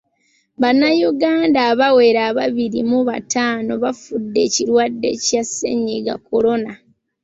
Bannayuganda abawera abiri mu bataano baafudde ekirwadde kya ssennyiga kolona.